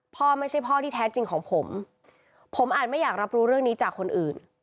พ่อไม่ใช่พ่อที่แท้จริงของผมผมอาจไม่อยากรับรู้เรื่องนี้จากคนอื่น